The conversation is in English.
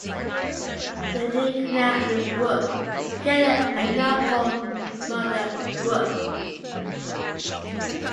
The new canal and the brook together are now called Mother Brook.